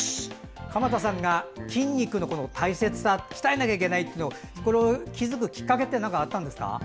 鎌田さんが筋肉の大切さ鍛えなきゃいけないっていうのをこれを気付くきっかけってあったんですか？